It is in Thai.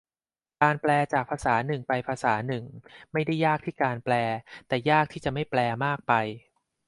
การแปลจากภาษาหนึ่งไปภาษาหนึ่ง ไม่ได้ยากที่การแปล แต่ยากที่จะไม่แปลมากไป